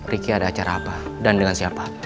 ricky ada acara apa dan dengan siapa